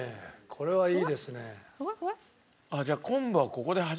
これはいいですね。